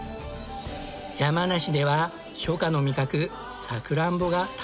山梨では初夏の味覚さくらんぼが食べ頃に。